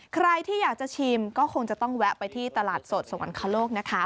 ใครที่อยากจะชิมก็คงจะต้องแวะไปที่ตลาดสดสวรรคโลกนะคะ